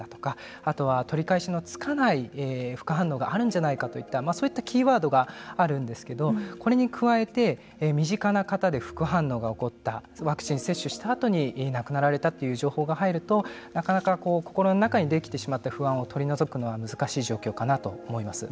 あとは取り返しのつかない副反応があるんじゃないかといったそういったキーワードがあるんですけどこれに加えて身近な方で副反応が起こったワクチン接種したあとに亡くなられたという情報が入るとなかなか心の中にできてしまった不安を取り除くのは難しい状況かなと思います。